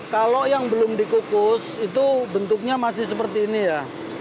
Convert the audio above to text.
kalau yang belum dikukus itu bentuknya masih seperti ini ya